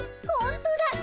ほんとだ。